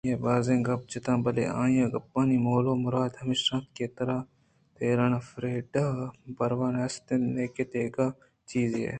آئی ءَباز گپ جت بلئے آئی ءِ گپانی مول ءُ مراد ہمش اَت کہ ترا نہ فریڈا ءِ پرواہ است نئیکہ دگہ چیزے ئے